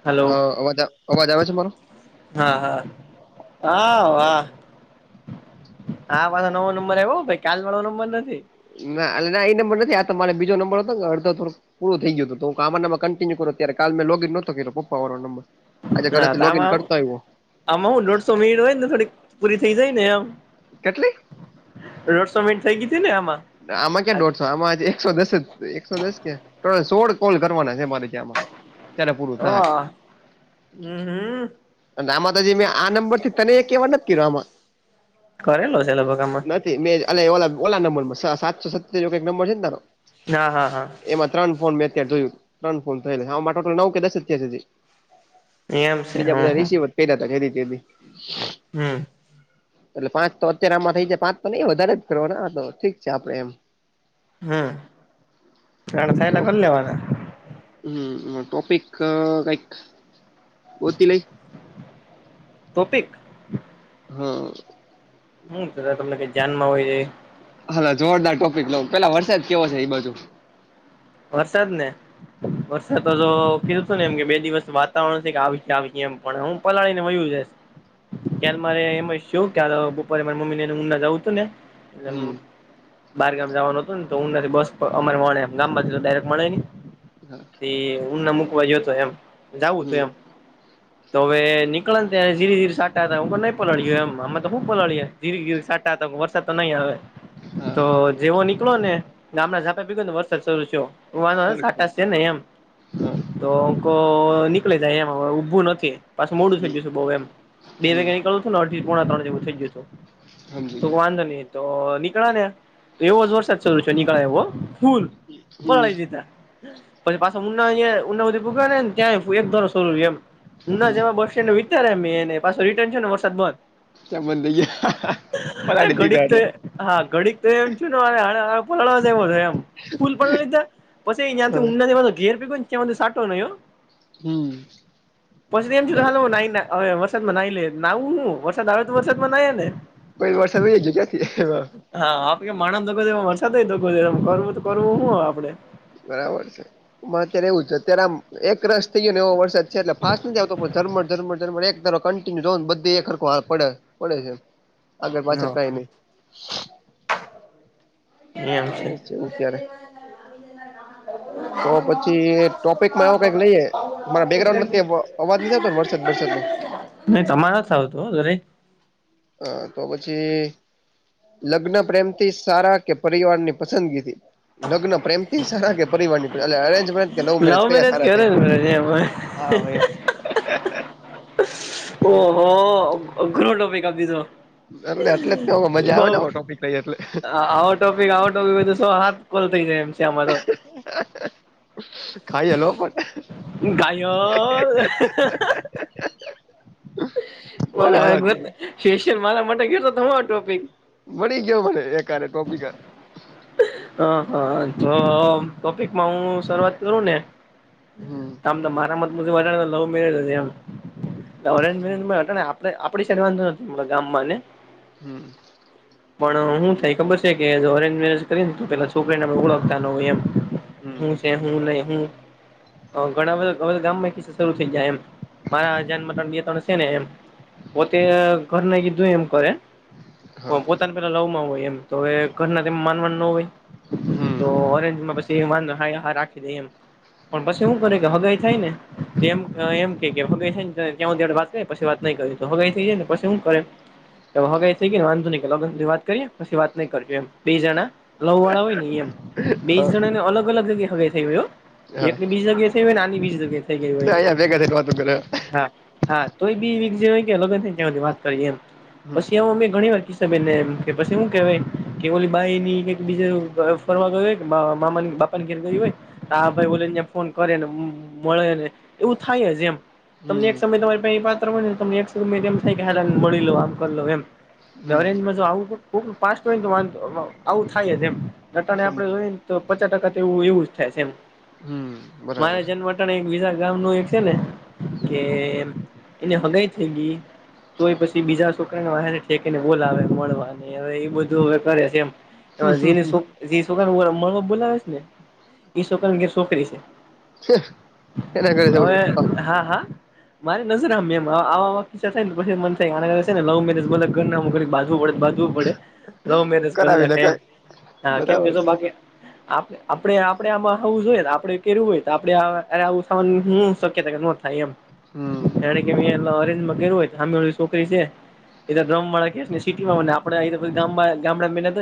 Hello હા અવાજ અવાજ આવે છે મારો. હા હા હા હ આ વા નવો નંબર આવાઈ કાલ વાળો નંબર નથી. ના એલે ના એ નંબર નથી આ તમારે બીજો નંબર હતોને અડધો થડો પૂરો થ ગયું હું આરંમાં કન્ટિનુ કર ત્યારે કલે મે લોગન નોતો કર્યો પપ્પ વાળ નંર હા આમાં આમાં હું દોઢસો મિડ હોય ને થોડી પૂરી થઈ જાય ને આમ કેટલી. રોડ શોમેીન્ટ થઇ ગય હતી ને એમાં. આમાં ક્યાં દોઢસો આમાંજ એકસો દસ જ એકસો દસ ક્યાં સોળ કોલ કરવાના છે મારે ત્યાંમાં ત્યારે પૂરું થાય. હમ હમ અને આમાં તજી મેં આ નંબર થી તને એક કેવા નથી કર્યો આમાં કરેલો છે લોકોભગમાં નથી ઓલા નંબર માં સાતસો સતતેર કઈક નંબર છે ને તારો. ના હા હા. એમાં ત્રણ ફોન મેં અત્યારે જોયું ત્રણ ફોન થયેલા છે હ ટોટલ નવ કે દસ અત્યારી એમ છે બીજા હમ બધા હમ રિસીવ પા હતા કેદી તે. હમ. એટલે પાંચ તો અત્યારે આમાં થઇ જાય પાંચ તો નહી વધારે જ કરવાના તો ઠીક છે આપડે એમ હમ જાણ તો થાયલા કરી લેવાના હમ ટોપિક કઈક હોતી લાઈક ટોપિક. હમ. હમ તમને ધ્યાન માં હોય જ હાલા જોરદાર ટોપિક લોઉ પેલા વરસાદ કેવો છે એઈ બાજુ. વરસાદ ને વરસાદ તો જો કીધુંતુ ને એમ કે બે દિવસ વાતાવરણ છે કે આવી આવી છે એમ પણ હું પલાળી ને વયું છે. [unintelligible] ત્યારે મારે એમ શું ત્યારે બપોરે મારે મમ્મી ને ઊંડા જવું હતું ને હમ બારગામ જવાનું હતું ને તો હું નથી બસ અમારે મળેમ ગામ માંથી તો ડાયરેક્ટ મળે નહી હા. ઊ ના મૂકવા જો તો એમ જાવું હતું હમ એમ તો હવે નીકળેને ત ધીરે ધી સાટા હતા હું નહી પલળયયો એમ આમે તો શું પલળીએે ધીરે ધી સાટા તો વરસાદ તો નહીં આવે હા તો જેવો નીકળો ને ગામડા ઝાપા ભીગો ને વરસાદ શરૂ થયો વન હરખો સાઠસ નેયમ હા તો. તો નીકળી જાય એમાં ઊભું નથી પાછું મોડું હમ થઈ જશું બહ એમ બે હમ વાગે નીકળ અઢી પોણા ત્રણ જેવો થઈ જતો સમજી તો ગયો વાંધો નહી. તો નીકળા ને તો એવો જ વરસાદ ચાલુ છે નીકળ્યા એવો ફૂલ હમ પી દીધા પછી પાછા ઉના ઉનાધી પૂગ્યા નેને ત્યાં એક ધોરરૂ એમ ના હમ જેમાં બસ સ્ટેન્ડ વિચાર એ એને પાછો રિટર્ન છે ને વરસાદ બંધ ચ બંદઈયા પલા એ ઘડીક ડીધા તો એમ. હા ઘડીક તો એમ છું ને પડવા દેવો થ એમ ફૂલ લીધા પછી ત્યાં થી ઊડા ઘેર પીગને ત્યાંધ સાટો નયો હમ્મ પછી એમ છ હાલ નાય ને હવે વરસાદમાં નાઈ લે નાણું હું વરસાદ આવે તો વરસાદમાં નાય ને કોઈ વરષજ ક્યાથી હા આપે માણસ દગો દે વરસાદ દગો દે કરવું તો કરવું હું હો આપડે બરાબર છે અત્યારે એવું જ છે અત્યારે આમ એક રસ થઈ ગયો ને એ વરસાદ છે એટલે ફાસ્ટ નથી આવતો રમર ઝરમર ઝમ એક ધ કં જો બધ ક હરખો પડે પડે છે આગળ પાછળ હા કઈ નહી ચાલે છે અમુક ત્યારે તો પછી ટોપિકમાં એવો કઈક લઈએ મારા બેકગ્રાઉન્ડમાં ત્યાં અવાજ નથી આવતો વરસાદ વરસાદનો નહી તમારે નથ આવતું જરે હ તો પછી લગ્ન પ્રેમથી સારા કે પરિવાર ની પસંદગીથી લગ્ન પ્રેમ થી સારા કે પરિવાર ની લવ મેરેજ લવ કયા કે સારા છે અરેન્જ મેરેજ એમ હા ભાઈ ઓહો અઘરો ટોપિક આપી દીધો એટલે એટલે જ તો એ મજા બ આવે ને આવો ટોપિક લઈએ એટલે આ ટોપિક આવો ટોપિક બધું સો હાથ કોલ થઈ જાય એમ છે આ માં તો [unintelligible] ગાયન બોલો મારા હાલ અત્યારે સ્પેશ્યલ મારા માટે કેતો તમારો ટોપિક મળી ગયો મને એક આરે ટોપિક આ હ હા તો ટોપિકમાં હું શરૂઆત કરું ને હમ આમ તો મારા મત વધારે લવ મેરેજ એમ અરેન્ગ મેરેજમાં આપડી સર વાંધો નથી ગામમાં ને હમ્મ પણ હું થાયે ખબર છે કે ઓરેન્જ મેરેજ કરીને તો પેલા છોકરીનેમે ઓળખતા ન હોય એમ હું હમ છે હું નઈ હું ઘણા બધા ગામ માં ખ શરૂુ થઈ જાય એમ મારા ધ્યાનમાં ત્ર ત્રણ છે ને એમ પોતે ઘર ના કીધું એમ કરે હા પોતાને પેલા લાવ માં હોય એમ તો હ ઘરના માનવાનું હમ તો ઓરેન્જમાં પછી વાંધ હ હા રાખી દે એમ પણ પછી હૂ કરે કે હગઈ થાય ને એમ કે હગાય થાય [unintelligible] પછી વાત નઈ કરી તો હગાઈ થઈ જાય ને પછી શું કરે હ હગઈ થઈ ગય ને વાંધ નહી લગ્ન ની વાત કરીએ પછી વાત નઈ કરજ એમ બે જણા લવ વાળા હોય નેમ બેસ હા જણા ને અલગ અલગ જગ્યા સગ્યા થઈ ગ હા એક ને બીજી જગ્યાએ તમે આ ની બજી જગ્યા અહીંયા ભેગા થઈને વાતો કરે એમ હા હા તોય બી વી જે હોય લગન થાયે ત્યાં સુધી વાત કરીએ એમ હમ પછી એ અમે ઘણી વાર કીધું કે પછી હૂ કેવાય કે ઓલી બાઈ ની બીજે ફરવા ગયું હોય કે મામા બાપા ની ઘેર ગયુ હોય આ ભાઈ બોલે ને ફોન કરે ને મળે ને એવું થાય જ એમ તમને એક હમ સમય તમારી પાસે પાત્ર મળને તમને એક સમયમ થાય કે હાલ મળી લો આમ કર લો એમ હમ અરેન્જ માં આવું કોક પેસ્ટ હોય તોં આવું થાય એમ લટાને આપડે સમજી જોઈ ગયો ને તો પચાસ ટકાવું એવું જ થાય છે એમ હમ બરાબર મારા જન્મ એક બીજા ગામ નુ એક છે ને કે એને હગાઈ થઈ ગઈ તો એ પછી બીજા છોકરાને વાને ઠેકીને બોલાવે મળવાને હવે એ બધું હવે કરે છે એમ તો હજુ એ સોકરા નઈ મળવા બોલાવે છે ને ઈ શોકરા ના ઘરે છોકરી છે એના ઘરે હવે છોકરી હા હા મારે નજર હામે થાય ને પછી મન થાય આ [unintelligible] લવ મેરેજ ઘર બાજવું પડે પડે લવ મેરેજ કરાવી ને કઈ નાખય એમ કે બરાબર છે બાકી [unintelligible] આપડે આપડે આમાં હોવું જોઈએ આપડે કેવું હોય તો આપડે આવું હું શક્યતા કે ન થાય એમ. હમ જાણે કે એ અરેન્જમાં કર્યું હોય સામે ઓળી છોકરી છે. એ [unintelligible] ને સિટીમાંને આપડે ગ ગામડા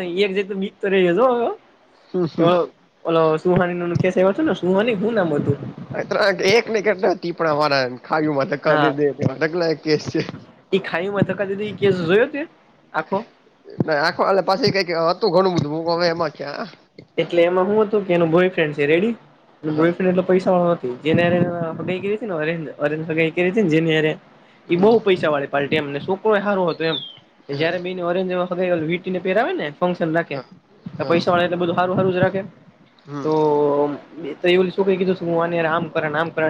એક [unintelligible] ઓલો સુહાની નું ખેસ એવો છે ને સુહાની શું નામ હતું. એક ને કેટલા પીપડા વાળા ખાઈ માં ધકા હા દે ધકલા કેસ છે. એ ખાઈમાં ધકા દીધું એ કેસ જોયો તે આખો? ના આખો આલે પાછી કઈક હતું ઘણું બધું હું મે એમાં ક્યાં. એટલે એમાં હું હતું કે એનું બોયફ્રેન્ડ છે રેડી હા બોયફ્રેન્ડ એટ પૈસા [unintelligible] કરી ને અરેન્જ અરેન્જ [unintelligible] કરી હતી જેની હારે એ બહુ હમ પૈસા વાળે પાર્ટી એમ ને છોકરો સારો હતો એમ હા જયારે [unintelligible] ને પેરાવે ને ફંક્શન રાખે હા હા પૈસા વાળા એટલે બધું હારું હારું જ રાખે કે હમ તો મે તો એ છોકરી કીધું આમ કર આમ કર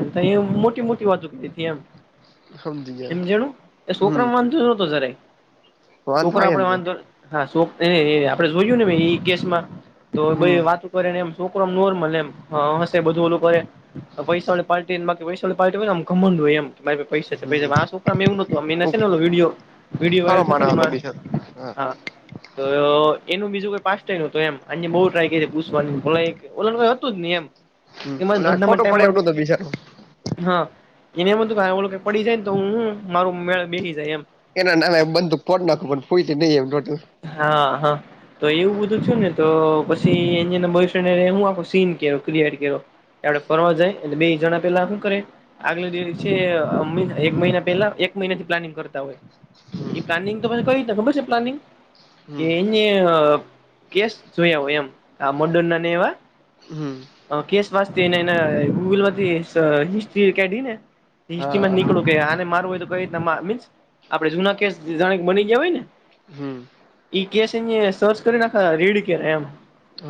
મોટી મોટી વાતો કીધી હતી એમ. સમજી ગયા હમજાણુ એ હમ છોકરામાં વાંધો નતો જરાય. વાંધો છોકરો આય જ આપડે હોય વાંધો [unintelligible] આપડે જોયું ને એ કેસમાં. તો હમ વાતું કરે ને એમ છોકરોમ નોર્મલ એમ હશે બધું ઓલું કરે. પૈસા વાળી પાર્ટી બાકી પૈસા વાળી પાર્ટી હોય [unintelligible] [unintelligible] હોય એમ કે મારે પૈસા છે હમ પૈસા આ છોકરા માં એવું નતું અને ને વિડીયો વિડીયો સારો વાયરલ છે ને માણસ હતો એમાં બિચારો હા. તો એનું બીજું કોઈ પાસ્ટ ને હતું, એમ. [unintelligible] બહું ટ્રાય કરી પુછવા ઓલાને કંઈ હતું જ નહીં એમ. હમ એમાં અને આ ધંધામાં ખોટો પડે એવું ટાઈમ નોતો બિચારો. હા, એને એમ હતું કે એ પડી જાય ને તો હું મારો મેળ બેસી જાય એમ. એના નામે બદુક ફોટો નાખું પણ ફુટી ઈ નહીં એમ [unintelligible] હા, હા. તો એવું બધું થું ને તો પછી એ બોયફ્રેન્ડું સીન કર્યા [unintelligible] કરો, આપડે ફરવા જાય એટલે બે જણા પેલા શું કરે. આગલો દિવસ છે, એક મહિના પેલા એક મહિના થી પ્લાનિંગ કરતા હોય. હમ એ પ્લાનિંગ તો કંઈ ખબર છે, પ્લાનિંગ કે હમ એને કેસ જોયા હો એમ આ મંડરના ને એવા. હમ કેસ વાંસતા એના ગૂગલમાંથી હિસ્ટ્રી કાઢીને હિસ્ટ્રી હા નીકળું આને મારું હોય તો કઈ રીતના મીન્સ આપડે જૂના કેસ જાણે બની ગયા હોય ને. હમ ઈ કેસ એ સર્ચ કરી નાખા રીડ કરે એમ.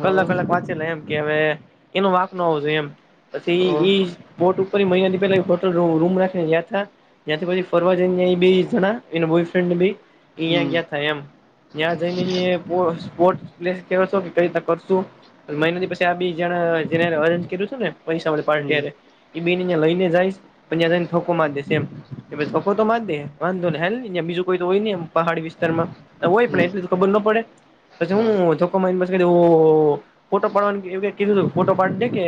કલાક કલાક વાંચેલા એમ કે હવે એનું વાંકનો આવો જોઈ એમ. હા પછી બોટ ઉપર મહિનાથી પેલા હોટલપર રૂમ રાખીને રહ્યા યાદ ત્યાંથી પછી ફરવા બે જણા બોયફ્રેડ બેય ન્યા હમ ગયાતા એમ. ત્યાં જઈને સ્પોર્ટપ્લેસ કંઈ રીતે કરશું. મહિનાથી પછી આ બે જણા જે અરેન્જ કર્યું છે, ને પૈસાવાળી પાર્ટી હમ એ બે ને લઈને જઈશ પણ ત્યાને ધકો માર દેશે એમ. પછી ધકો માર દે વાંધો નહીં હાલને બીજું કોઈ તો હોય નહીં પહાડી વિસ્તારમાં. હોય હમ પણ એટલી તો ખબર ના પડે પછી હું હા ધકો મારી ઓ ઓ ફોટો પાડવાનું એવું કઈ કીધું ફોટો પાડી દે કે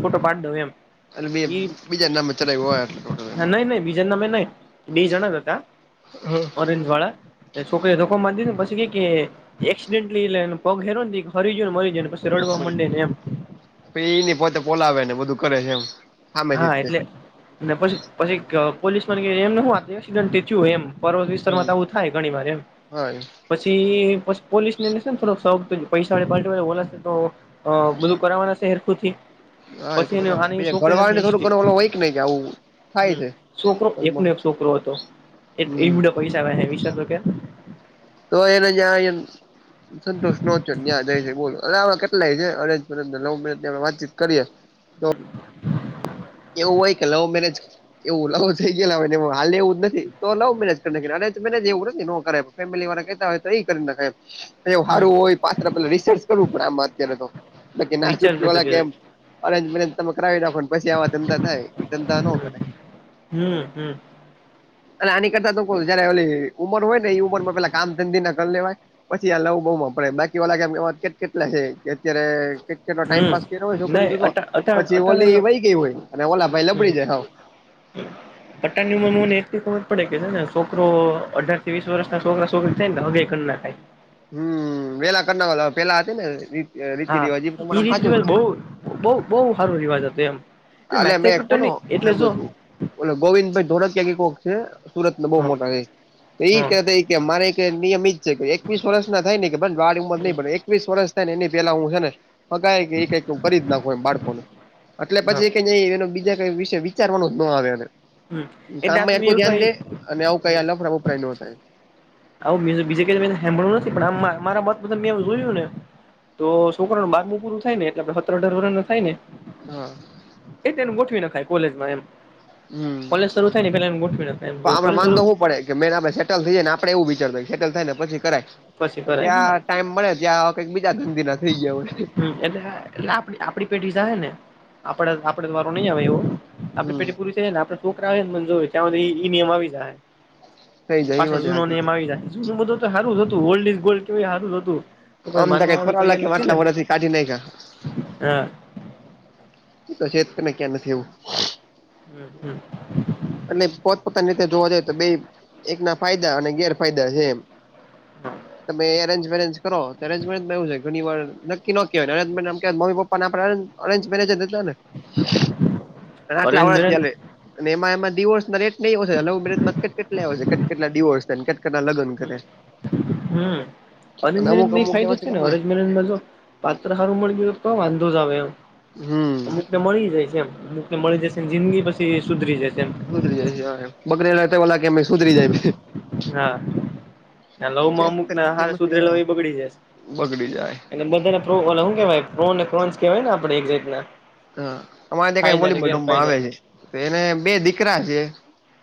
ફોટો પાડી દઉ એમ. એટલે બે એ બીજા નામે ચલાવ્યું હોય એટલે ટોટલ એને નહીં નહીં બીજાના મે નહીં બે જણા જ હતા [unintelligible] ઓરેન્જવાળા છોકરીએ ધકો મારીદેને પછી કે, કે એક્સિડેન્ટલીને પગ હેરો ફરી ગયો ને મરી ગયોને પછી રડવા મડે ને એમ. પે એને પોતે બોલાવે ને બધું કરે છે, એમ. હામેથી હા, જ તે એટલે ને પછી પછી અ પોલીસમાં એમ શું વાકે એસિડન્ટ થયું એમ. પર અ વિસ્તારમાં તો હમ આવું થાય ઘણીવાર એમ. હા પછી પછી પોલીસ ને લશે ને થોડક સર્વ કરીને પૈસા હે વાટવા વોલાસે બોલાતો અ બધું કરવાના છે, હેરખુથી. હા એ તો પછી એને કદાચ બે આની છો. છોકરી મળવાને નાખી થોડું હિસ્ટ્રી ઘણું હોય કે નહીં કે જાવું થાય હમ છે, છોકરો ઘરમાં એકનો એક છોકરો હતો એ હમ એવડા પૈસા વાગે હે વિચાર તો કર. તો એને જ્યાં એમ સંતોષ નો થયો નયા ત્યાં જઈશ બોલ હરે આવા કેટલા લઈ દે એરેન્જ મેરેજ લવ મેરેજની વાતચીત કરીએે. હું [inaudible] એવું હોય કે લવ મેરેજ એવું લવું થઈ ગયેલા હોય એવું હાલે એવું નથી તો લવ મેરેજ કરી નાખી અરજ મેરેજ એવું નથી નો કરાય. ફેમિલી વારા કેતા હોય તો એ કરી નાખાય એમ. એ હમ હારું હોય પાત્ર પેલુ રિસર્ચ કરવું પડે આમ વાત કરે તો કેના વિચાર ચોટકી તો વાળા કે કર્યો એમ. એરેજ મેરેજ તમે કરાવી નાખો પછી આવા ધંધા થાય એ ધંધા નો કરાય. હું હું. અને આની કરતા તો કોઈ જયારે ઓલી ઉમર હોયને એ ઉંમર માં પેલા કામ ધંધી ના કરી લેવાય પછી આ લઉ બઉ માં પડાય બાકી વાળા એકે કેટલા છે, કે અત્યારે કેટલો હમ ટાઇમપાસ કર્યો હોય છોકરી નહી ભેગો અટા અટા પછી અટાણે ઓલી વય ગઈ હોય અને ઓલા ભાઈ લબડી જાય હાવ. હું. [inaudible] અટાની ઉંમરમાં મને એટલુ ખબર પડે કે છે, ને છોકરો અઢારથી વીસ વર્ષના છોકરા છોકરી થઈને હવે કર નખાય. હમ વેલા કરના વલા પેલા હતી ને રીત. હા એ રીત રિવાજ બહુ બહુ બહુ હારો રિવાજ હતો એમ. માથા કુટો નહી એટલે જો. ઓલો ગોવિંદ ભાઈ ધોળકિયા થી કોક છે સુરત ના બહુ હા મોટા છે. તે ઈ હા કેતા કે મારે એક નિયમ ઇજ છે કે એકવીસ વર્ષ ના થાય ને કે ભલે વાડી ઉંમર નહી પડ એક એકવીસ વર્ષ થાય ને એની પેલા હું છે ને ફગાય કે કઈકું કરી જ નાખું એમ બાળકો ને એટલે હા પછી એને એનો બીજા કઈ વિષય વિચારવા જ નુ નો આવે એને. હમ એટલે આ કામમાં તો મેં એટલું એવું ધ્યાન દે કઈ અને આવું કઈ લફડાં બફડાં નો થાય. આવું બીજે બીજે કે હાભળ્યું નથી પણ આ મારા મત મે જોયું ને. તો છોકરા નું બારમું પૂરું થાય ને એટલે પછી સત્ર અઢાર વર્ષ થાય ને હા એટલે એનું ગોઠવી નાખાય કોલેજમાં એમ. હમ કોલેજ શરૂ થાય ને પેલા એનું ગોઠવી નખાય એમ પણ આપડે કોલેજ શરૂ વાંધો હું પડે કે મેન આપે સેટલ થઈ જાય ને આપડ એવું વિચારતા સેટલ થાય ને પછી કરાય પછી કરાય હા ત્યાં ટાઈમ મળે ત્યાં કઈક બીજા ધંધી ના થઈ ગયા હોય. હમ્મ એટલે હા એટલે આપડી આપડી પેઢી જાય ને આપડે આપડે વારો નઈ આવે એવો આપડે હમ પેઢી પૂરી થઈ જાય ને આપડે છોકરા હોય ને મને જોવી છે ત્યાં હુધી ઈ નિયમ આવી જાય. થઈ જાય એ પાછળ વાત જૂનો હાચી છે. નેમ આવી જાય જૂનું બધું તો હારું હતું ઓલ્ડ ઈઝગોલ્ડ તોય હારું જ હતું. કોઈ આમ તો માનવા કઈ વાળું ફરવા તૈયાર લાગે નથી ને આટલા વર્ષથી કઢી નાખ્યા. હા. ઇ તો છે ને ક્યાં નથી એવું. હમ હમ. એટલે પોત પોતાની રીતે જોવા જઈએ તો બે એક ના ફાયદા અને ગેરફાયદા છે એમ. તમે અરેન્જ મેંરેન્જ કરો અરેન્જ મેરેજમાં એવું થાય ઘણી વાર નક્કી નો કેવાય અરેન્જ મેરેજમાં એમ કે મમ્મી પપ્પાને આપડા અરેન્જ મેરેજ જ હતા ને. આટલા અરેન્જ વર્ષ થી મેરેજ હાલે એમાં એમા ડીવોર્સ ના રેટ. ની હવે લવ મેરેજમાં કેટ કેટલા એ છે કેટલા ડિવોર્સ ને કેટ કેટ ના લગ્ન કરે. હમ અરેજ અને અમુક મેરેજમાં ઈ અમુક ફાયદો એવા છે ને ચાલે અરજ મેરજમાં જો. પાત્ર સારું મળી ગયું તો કઈ વાંધો જ આવે એમ હમ. અમુકને મળી જાય છે એમ. મને મળી જશેને જિંદગી પછી સુધરી જશે એમ. સુધરી જાય છે એમ બગડેલા ને એમ કે સુધરી જાય છે. હા. [unintelligible] માં છે અમુક ના નથી હાર એમ નથી સુધરેલો હા. એ બગડી જશે બગડી જાય અને બધાને [unintelligible] શું કેવાય ને [unintelligible] આપણે એક્ઝેટ ના. હા અમારે ત્યાં કઈ [unintelligible] રમમાં આવે છે તો એને બે દીકરા છે.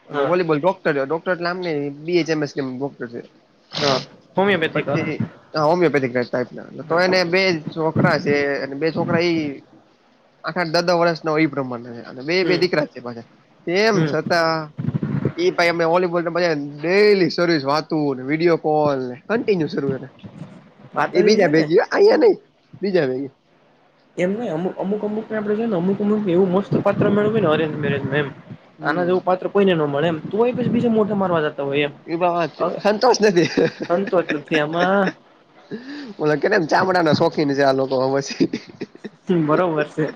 અને હા વોલીબોલ ડોક્ટર ડોક્ટર નામ ની બી એચ એમ એસ હા [unintelligible] હોમિયોપેથિક પછી હોમિયોપેથીક ના ટાઇપ ના તો એને બે જ છોકરા છે અને બે છોકરા ઈ આઠ આઠ દશ દશ વર્ષ ના એ પ્રમાણ ને બે બે હમ દીકરા છે પાછા તેમ હમ છતાં એ ભાઈ અમે વોલીબોલ રમવા જાય ડેલી સર્વિસ વાતો ને વિડીયો કોલને કન્ટિન્યુ સારું એને. વાત એ જ ઈ છે બીજા ને. ભેગી હા અહીયા નઈ બીજા ભેગી. એમ ને અમુ અમુક અમુક આપણે જોઈ ને અમુક અમુકને એવું મોસ્ટ પાત્ર મેળવુંય ને અરેન્જ મેરેજમાં એમ. આના હમ જેવું પાત્ર કોઈને ન મળે એમ તોય બીજે મોટા મારવા જ [unintelligible] એ પણ વાત છે સંતોષ નથી. સંતોષ નથી આમાં ઓલ કે ને ચામડાના શોખીન છે આ લોકોમાં પછી. તે બરોબર છે.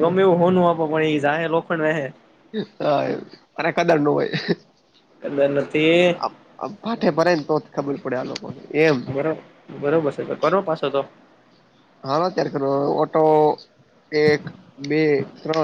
ગમે એવું હોનું આપો પણ એ જા લોખંડ પાહે. [unintelligible] નું હોય. [unintelligible] નથી આપ આ પાઠે ભરાય ને તો જ ખબર પડે આ લોકોને એમ. બરો બરોબર છે તો કરો પાછો તો. હાલો અત્યારે કરવો ઓટો એક બે ત્રણ